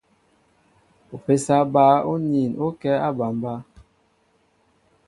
Mpésa ɓă oniin o kɛ a aɓambá.